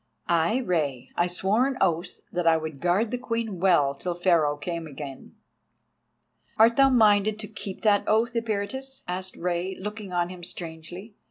"Ay, Rei. I swore an oath that I would guard the Queen well till Pharaoh came again." "Art thou minded to keep that oath, Eperitus?" asked Rei, looking on him strangely.